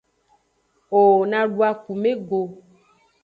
O na du akume go.